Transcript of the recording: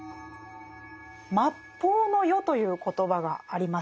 「末法の世」という言葉がありましたよね。